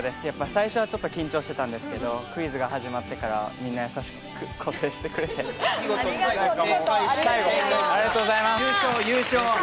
最初はちょっと緊張していたんですけれども、クイズが始まってからみんな優しく接してくれて、ありがとうございます。